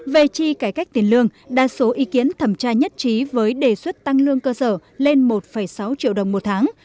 về chi cải cách tiền lương đa số ý kiến thẩm tra nhất trí với đề xuất tăng lương cơ sở lên một sáu triệu đồng một tháng